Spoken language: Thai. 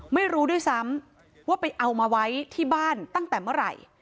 ไม่รู้ด้วยซ้ำว่าไปเอามาไว้ที่บ้านตั้งแต่เมื่อไหร่